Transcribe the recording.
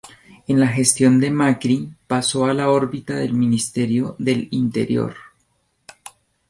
En la gestión de Macri, pasó a la órbita del Ministerio del Interior.